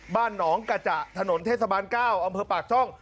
บ้านหนองกะจะถนนเทศบาล๙อำเภอปากช่อง